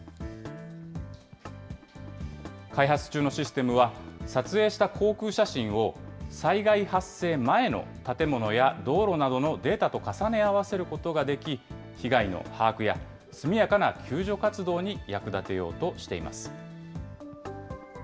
開発中のシステムは、撮影した航空写真を災害発生前の建物や道路などのデータと重ね合わせることができ、被害の把握や速やかな救助活動に役立てようとしています。